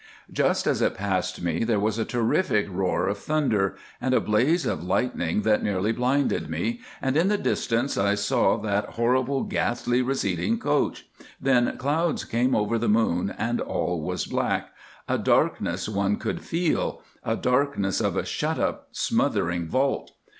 "Just as it passed me there was a terrific roar of thunder, and a blaze of lightning that nearly blinded me, and in the distance I saw that horrible ghastly receding coach; then clouds came over the moon and all was black—a darkness one could feel, a darkness of a shut up smothering vault.